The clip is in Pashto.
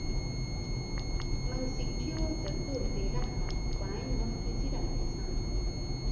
منګیسټیو تر ټولو بې رحمه او په عین وخت کې ځیرک انسان و.